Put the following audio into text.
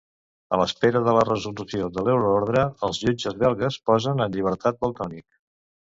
A l'espera de la resolució de l'euroordre, els jutges belgues posen en llibertat Valtònyc.